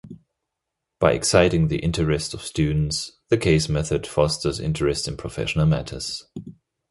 By exciting the interest of students, the case method fosters interest in professional matters.